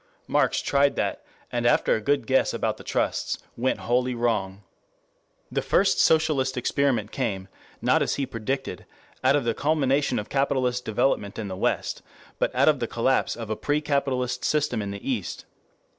Marx tried that, and after a good guess about the trusts, went wholly wrong. The first socialist experiment came, not as he predicted, out of the culmination of capitalist development in the West, but out of the collapse of a pre capitalist system in the East.